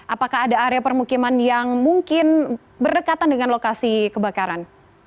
apakah ada area permukiman yang mungkin berdekatan dengan lokasi kebakaran